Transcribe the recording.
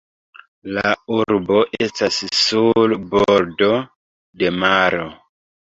La urbo estas sur bordo de maro.